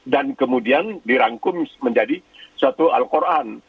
dan kemudian dirangkum menjadi suatu al quran